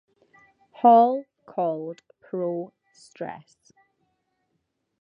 Hall called Pro Stress.